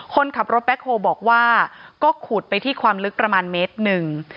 คนขับรถแบ็คโฮลบอกว่าก็ขุดไปที่ความลึกประมาณเมตรหนึ่ง